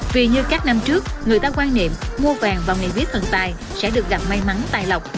vì như các năm trước người ta quan niệm mua vàng vào ngày vía thần tài sẽ được gặp may mắn tài lộc